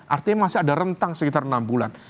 artinya masih ada rentang sekitar enam bulan